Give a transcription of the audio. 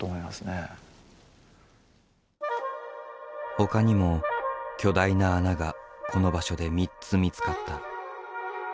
ほかにも巨大な穴がこの場所で３つ見つかった。